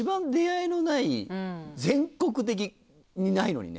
全国的にないのにね。